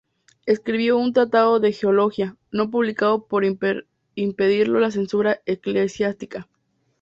Escribió un "Tratado de geología", no publicado por impedirlo la censura eclesiástica.